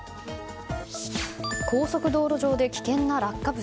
高速道路上で危険な落下物。